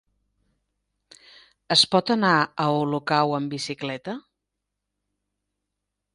Es pot anar a Olocau amb bicicleta?